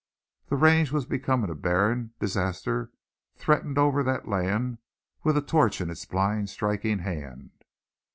The range was becoming a barren; disaster threatened over that land with a torch in its blind striking hand.